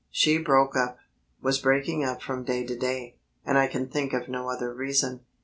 She broke up, was breaking up from day to day, and I can think of no other reason.